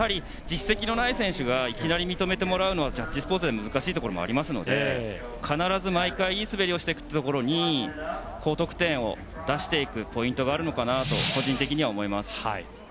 実績のない選手がいきなり認めてもらうのはジャッジスポーツでは難しいところもありますので必ず毎回いい滑りをしていくところに高得点を出していくポイントがあるのかなと個人的には思いますね。